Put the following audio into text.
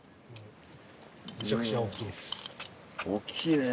めちゃくちゃおっきいです。